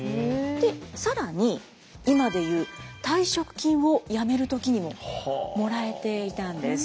更に今で言う退職金を辞める時にももらえていたんです。